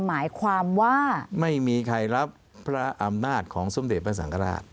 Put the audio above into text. หมายความว่าไม่มีใครรับพระอำนาจของสมเด็จพระสังฆราช